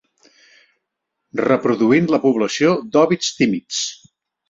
Reproduint la població d'òvids tímids.